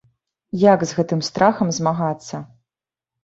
Як з гэтым страхам змагацца?